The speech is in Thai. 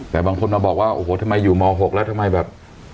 แต่บางคนมาบอกว่าโอ้โหทำไมอยู่ม๖แล้วทำไมแบบ